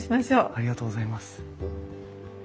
ありがとうございます。